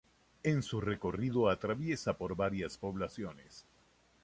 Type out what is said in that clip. En su recorrido atraviesa por varias poblaciones.